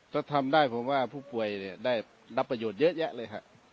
ถ้าทำได้ผมว่าผู้ป่วยได้รับประโยชน์เยอะแยะเลยฮะ